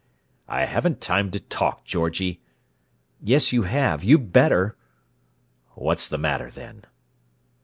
"I haven't time to talk, Georgie." "Yes, you have. You'd better!" "What's the matter, then?"